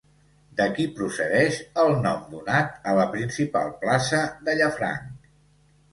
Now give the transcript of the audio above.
D'aquí procedeix el nom donat a la principal plaça de Llafranc.